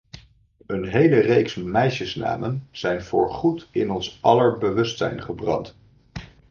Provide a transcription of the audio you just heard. Een hele reeks meisjesnamen zijn voor goed in ons aller bewustzijn gebrand.